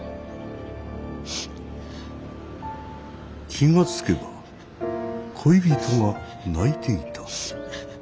気が付けば恋人が泣いていた。